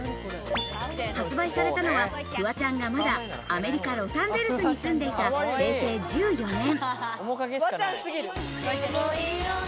発売されたのはフワちゃんがまだアメリカ・ロサンゼルスに住んでいた平成１４年。